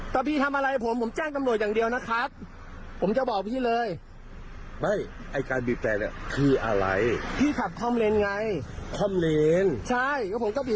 ถ้าพี่ทำผมเนี้ยปุ๊บนี้ไม่มีกระเช้านะครับ